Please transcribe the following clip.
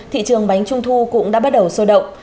thị trường bánh trung thu cũng đã bắt đầu sôi động